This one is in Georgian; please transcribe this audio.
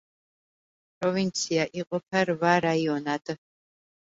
პროვინცია იყოფა რვა რაიონად.